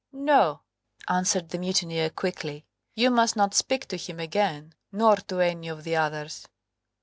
"No!" answered the mutineer, quickly, "you must not speak to him again, nor to any of the others."